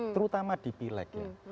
terutama di pileg ya